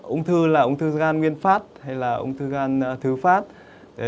ung thư là ung thư gan nguyên phát hay là ung thư gan thứ phát